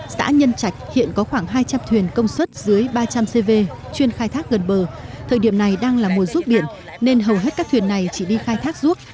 xã nhân trạch hiện có khoảng hai trăm linh thuyền công suất dưới ba trăm linh cv chuyên khai thác gần bờ thời điểm này đang là mùa ruốc biển nên hầu hết các thuyền này chỉ đi khai thác ruốc